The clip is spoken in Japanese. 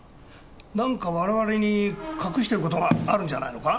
何か我々に隠してることがあるんじゃないのか？